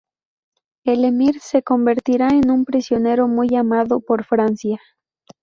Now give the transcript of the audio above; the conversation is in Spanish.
El Emir se convertirá en un prisionero muy amado por Francia.